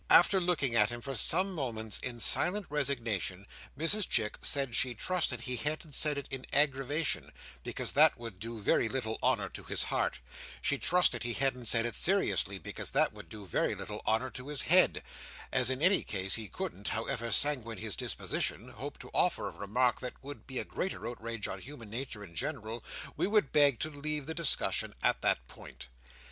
After looking at him for some moments in silent resignation, Mrs Chick said she trusted he hadn't said it in aggravation, because that would do very little honour to his heart. She trusted he hadn't said it seriously, because that would do very little honour to his head. As in any case, he couldn't, however sanguine his disposition, hope to offer a remark that would be a greater outrage on human nature in general, we would beg to leave the discussion at that point.